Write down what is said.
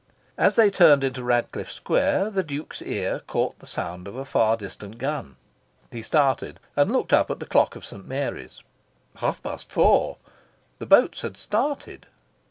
As they turned into Radcliffe Square, the Duke's ear caught the sound of a far distant gun. He started, and looked up at the clock of St. Mary's. Half past four! The boats had started.